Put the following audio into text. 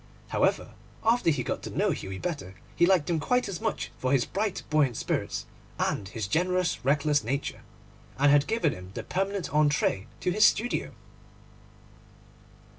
However, after he got to know Hughie better, he liked him quite as much for his bright, buoyant spirits and his generous, reckless nature, and had given him the permanent entrée to his studio.